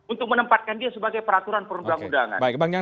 untuk menempatkan dia sebagai peraturan perundang undangan